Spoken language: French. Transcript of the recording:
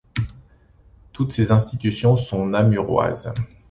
Toutes ces institutions sont namuroises.